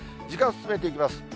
時間進めていきます。